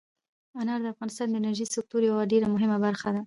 انار د افغانستان د انرژۍ سکتور یوه ډېره مهمه برخه ده.